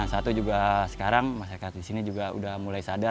satu juga sekarang masyarakat di sini juga sudah mulai sadar